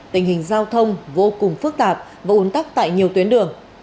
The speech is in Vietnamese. tình hình giao thông vô cùng phức tạp và ủn tắc tại nhiều tuyến đường